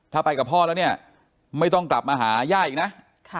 ถ้าไปกับพ่อแล้วเนี่ยไม่ต้องกลับมาหาย่าอีกนะ